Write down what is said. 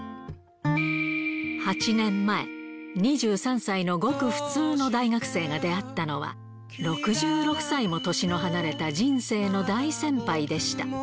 ８年前、２３歳のごく普通の大学生が出会ったのは、６６歳も年の離れた人生の大先輩でした。